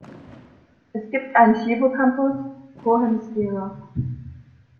Es gibt einen Hippocampus pro Hemisphäre.